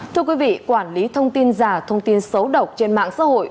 thưa quý vị quản lý thông tin giả thông tin xấu độc trên mạng xã hội